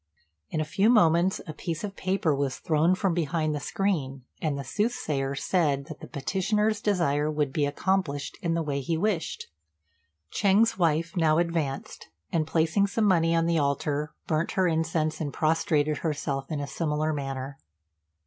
In a few moments a piece of paper was thrown from behind the screen, and the soothsayer said that the petitioner's desire would be accomplished in the way he wished. Ch'êng's wife now advanced, and, placing some money on the altar, burnt her incense and prostrated herself in a similar manner.